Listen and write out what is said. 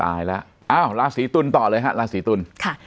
ตายแล้วลาศรีตุลต่อเลยค่ะ